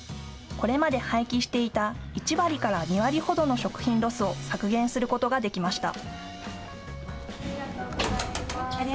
これまで廃棄していた１割から２割ほどの食品ロスを削減することができました。